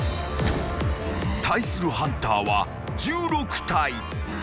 ［対するハンターは１６体］